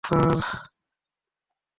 Sir, sir!